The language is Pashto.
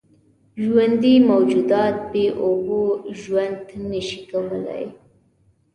ژوندي موجودات بېاوبو ژوند نشي کولی.